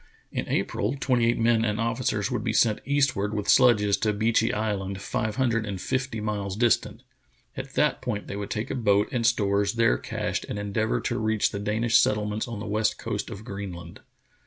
In April twenty eight men and officers would be sent east ward with sledges to Beechey Island, five hundred and fifty miles distant. At that point they would take The Journey of Bedford Pirn 83 a boat and stores there cached and endeavor to reach the Danish settlements on the west coast of Greenland.